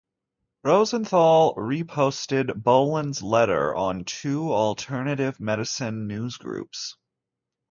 Rosenthal reposted Bolen's letter on two alternative medicine newsgroups.